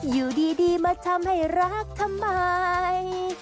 อยู่ดีมาทำให้รักทำไม